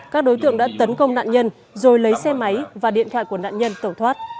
các đối tượng đã tấn công nạn nhân rồi lấy xe máy và điện thoại của nạn nhân tẩu thoát